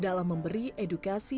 dalam memberi edukasi